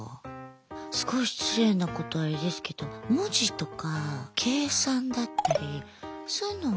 すごい失礼なことあれですけど文字とか計算だったりそういうのは。